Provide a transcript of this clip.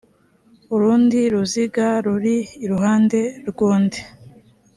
urundi ruziga ruri iruhande rw undi